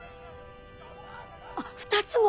あっ２つも！